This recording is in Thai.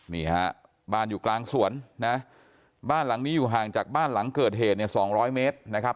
นี่ฮะบ้านอยู่กลางสวนนะบ้านหลังนี้อยู่ห่างจากบ้านหลังเกิดเหตุเนี่ย๒๐๐เมตรนะครับ